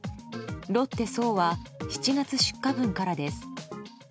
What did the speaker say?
ロッテ爽は７月出荷分からです。